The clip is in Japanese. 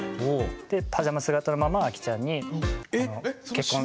でパジャマ姿のままアキちゃんにあの結婚。